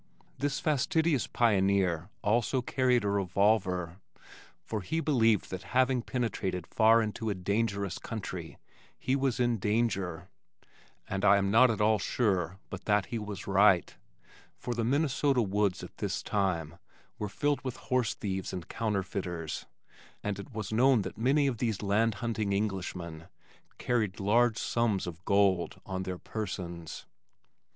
This fastidious pioneer also carried a revolver, for he believed that having penetrated far into a dangerous country, he was in danger, and I am not at all sure but that he was right, for the Minnesota woods at this time were filled with horse thieves and counterfeiters, and it was known that many of these landhunting Englishmen carried large sums of gold on their persons.